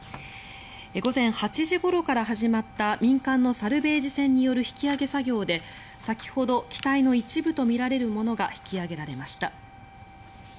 午前８時ごろから始まった民間のサルベージ船による引き揚げ作業で、先ほど機体の一部とみられるものが引き揚げられました。